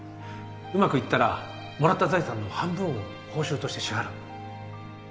うまくいったらもらった財産の半分を報酬として支払う。